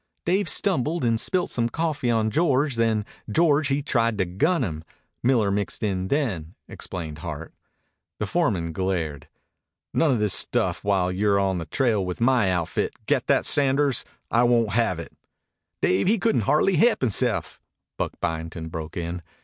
"Dave stumbled and spilt some coffee on George; then George he tried to gun him. Miller mixed in then," explained Hart. The foreman glared. "None of this stuff while you're on the trail with my outfit. Get that, Sanders? I won't have it." "Dave he couldn't hardly he'p hisse'f," Buck Byington broke in.